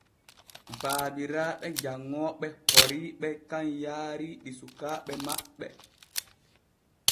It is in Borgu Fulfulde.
Baabiraaɓe janŋooɓe horiiɓe kan yaari ɗi sukaaɓe maɓɓe.